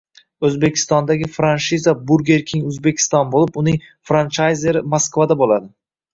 O‘zbekistondagi franshiza Burger King Uzbekistan bo‘lib, uning franchayzeri Moskva bo‘ladi